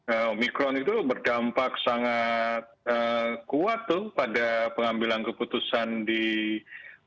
omikron itu berdampak sangat kuat pada pengambilan keputusan di indonesia